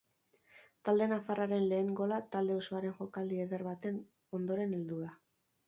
Talde nafarraren lehen gola talde osoaren jokaldi eder baten ondoren heldu da.